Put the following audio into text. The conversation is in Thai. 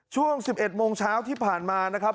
ช่วง๑๑โมงเช้าที่ผ่านมานะครับ